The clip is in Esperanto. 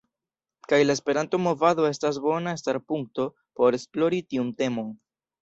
Kaj la Esperanto-movado estas bona starpunkto por esplori tiun temon.